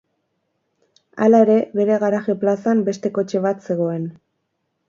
Hala ere, bere garaje plazan beste kotxe bat zegoen.